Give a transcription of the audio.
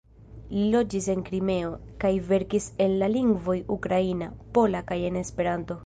Li loĝis en Krimeo, kaj verkis en la lingvoj ukraina, pola kaj en Esperanto.